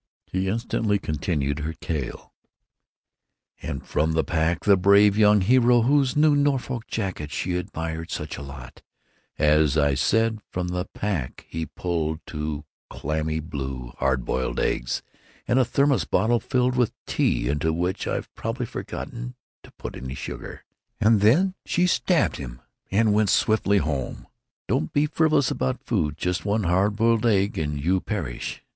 He instantly continued her tale: "And from the pack the brave young hero, whose new Norfolk jacket she admired such a lot—as I said, from the pack he pulled two clammy, blue, hard boiled eggs and a thermos bottle filled with tea into which I've probably forgotten to put any sugar." "And then she stabbed him and went swiftly home!" Ruth concluded the narration.... "Don't be frivolous about food. Just one hard boiled egg and you perish!